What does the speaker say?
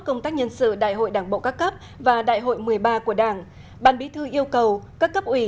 công tác nhân sự đại hội đảng bộ các cấp và đại hội một mươi ba của đảng ban bí thư yêu cầu các cấp ủy